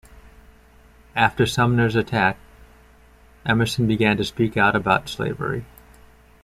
After Sumner's attack, Emerson began to speak out about slavery.